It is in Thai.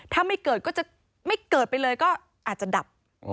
ถ้าไม่เกิดก็จะไม่เกิดไปเลยก็อาจจะดับ